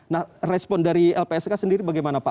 nah respon dari lpsk sendiri bagaimana pak